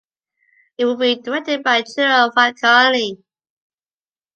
It will be directed by Julio Falcioni.